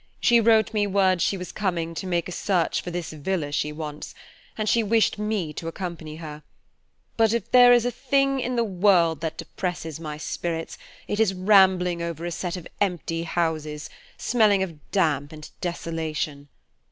She wrote me word she was coming to make a search for this villa she wants, and she wished me to accompany her; but if there is a thing in the world that depresses my spirits, it is rambling over a set of empty houses, smelling of damp and desolation.